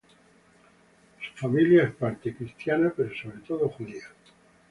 Su familia es parte cristiana, pero sobre todo judía.